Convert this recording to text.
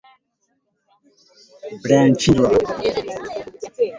Guevara aliondoka nchini Cuba akielekea Kongo Kinshasa